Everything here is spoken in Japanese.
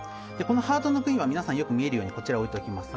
ハートのクイーンは皆さんよく見えるようにこちらに置いておきます。